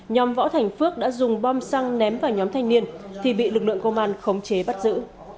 nhóm võ thành phước đã dùng bom xăng ném vào nhóm thanh niên thì bị lực lượng công an khống chế bắt giữ